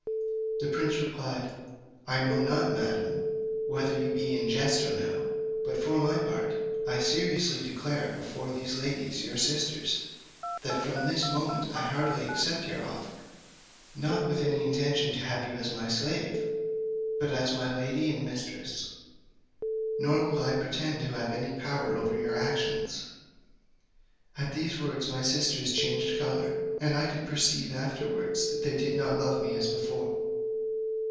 The prince replied, "I know not, madam, whether you be in jest or no; but for my part, I seriously declare before these ladies, your sisters, that from this moment I heartily accept your offer, not with any intention to have you as a slave, but as my lady and mistress: nor will I pretend to have any power over your actions." At these words my sisters changed colour, and I could perceive afterwards that they did not love me as before.